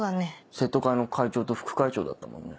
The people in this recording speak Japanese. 生徒会の会長と副会長だったもんね。